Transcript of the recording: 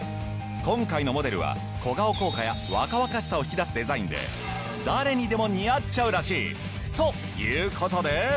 今回のモデルは小顔効果や若々しさを引き出すデザインで誰にでも似合っちゃうらしい。という事で。